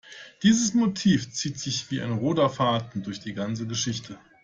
Dieses Motiv zieht sich wie ein roter Faden durch die ganze Geschichte.